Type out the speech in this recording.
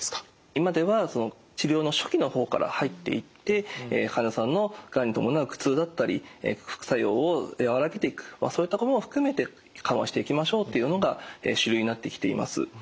今では治療の初期の方から入っていって患者さんのがんに伴う苦痛だったり副作用を和らげていくそういったことも含めて緩和していきましょうというのが主流になってきています。